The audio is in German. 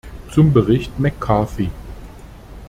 Zum Bericht McCarthy.